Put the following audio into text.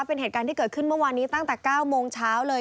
เป็นเหตุการณ์ที่เกิดขึ้นเมื่อวานนี้ตั้งแต่๙โมงเช้าเลย